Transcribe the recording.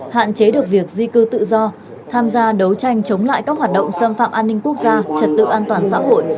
hạn chế được việc di cư tự do tham gia đấu tranh chống lại các hoạt động xâm phạm an ninh quốc gia trật tự an toàn xã hội